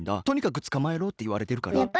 とにかくつかまえろっていわれてるから。